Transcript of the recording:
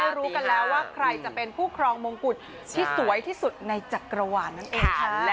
รู้กันแล้วว่าใครจะเป็นผู้ครองมงกุฎที่สวยที่สุดในจักรวาลนั่นเองค่ะ